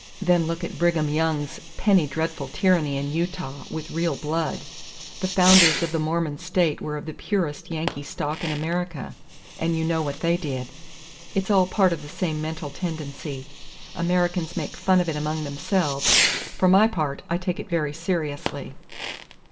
Then look at Brigham Young's penny dreadful tyranny in Utah, with real blood. The founders of the Mormon state were of the purest Yankee stock in America; and you know what they did. It's all part of the same mental tendency. Americans make fun of it among themselves. For my part, I take it very seriously."